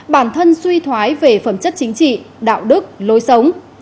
bản thân suy thoái về phẩm chất chính trị đạo đức lối sống